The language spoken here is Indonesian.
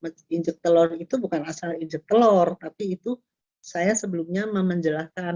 nginjak telur itu bukan asal nginjak telur tapi itu saya sebelumnya menjelaskan